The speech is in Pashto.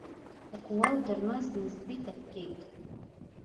د قواوو ترمنځ نسبي تفکیک